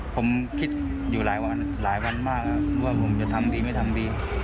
ผมคิดอยู่หลายวันหลายวันมากว่าผมจะทำดีไม่ทำดี